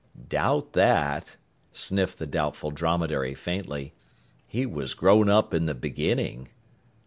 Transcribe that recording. "Doubt that," sniffed the Doubtful Dromedary faintly. "He was grown up in the beginning."